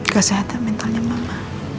kesehatan mentalnya mama